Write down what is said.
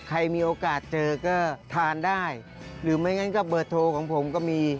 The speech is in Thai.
ใครมีโอกาสเจอก็ทานได้หรือไม่งั้นก็เบอร์โทรของผมก็มี